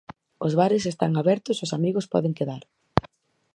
Os bares están abertos e os amigos poden quedar.